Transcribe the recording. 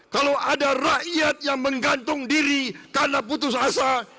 kalau ada rakyat yang menggantung diri karena putus asa